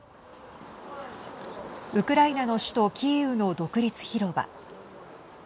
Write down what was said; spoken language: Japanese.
ウクライナの首都キーウの独立広場。